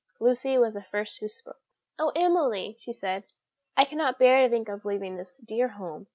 Lucy was the first who spoke. "Oh, Emily!" she said, "I cannot bear to think of leaving this dear home.